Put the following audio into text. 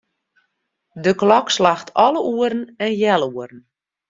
De klok slacht alle oeren en healoeren.